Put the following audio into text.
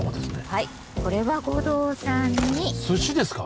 はいこれは護道さんに寿司ですか！？